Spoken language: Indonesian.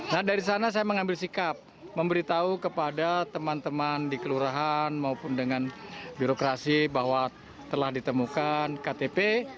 nah dari sana saya mengambil sikap memberitahu kepada teman teman di kelurahan maupun dengan birokrasi bahwa telah ditemukan ktp